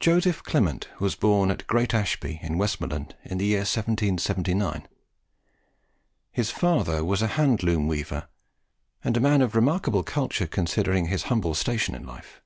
Joseph Clement was born at Great Ashby in Westmoreland, in the year 1779. His father was a hand loom weaver, and a man of remarkable culture considering his humble station in life.